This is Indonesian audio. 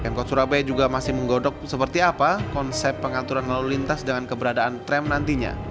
pemkot surabaya juga masih menggodok seperti apa konsep pengaturan lalu lintas dengan keberadaan tram nantinya